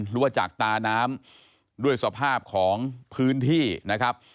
หรือว่าจากตาน้ำด้วยสภาพของพื้นที่นะครับ